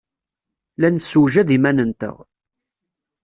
La nessewjad iman-nteɣ.